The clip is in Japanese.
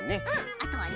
あとはね